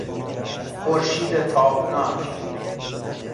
خورشید تابناک